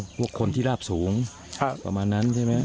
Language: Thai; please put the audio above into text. พวกคนที่ราบสูงประมาณนั้นใช่ไหม